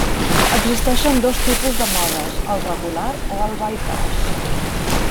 Existeixen dos tipus de modes: el regular o el bypass.